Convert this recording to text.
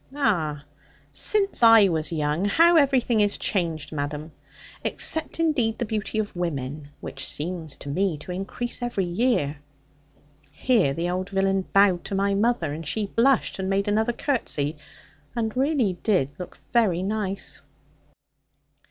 Ah, since I was young, how everything is changed, madam! Except indeed the beauty of women, which seems to me to increase every year.' Here the old villain bowed to my mother; and she blushed, and made another curtsey, and really did look very nice.